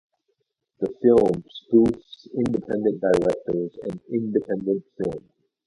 The film spoofs independent directors and independent film.